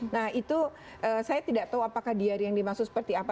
nah itu saya tidak tahu apakah dia yang dimaksud seperti apa